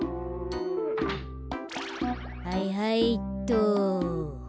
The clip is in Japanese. はいはいっと。